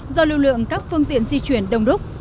do lưu lượng các phương tiện di chuyển đông rút